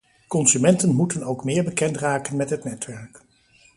Consumenten moeten ook meer bekend raken met het netwerk.